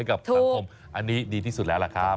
กับสังคมอันนี้ดีที่สุดแล้วล่ะครับ